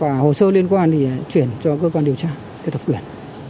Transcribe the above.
và hồ sơ liên quan thì chuyển cho cơ quan điều tra cơ thập quyền